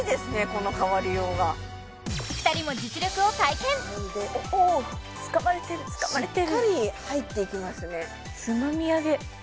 この変わりようが２人も実力を体験おっおしっかり入っていきますね